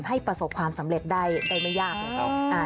ให้ประสบความสำเร็จได้ไม่ยาก